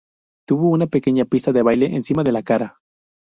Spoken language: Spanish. Tuvo una pequeña pista de baile encima de la cara.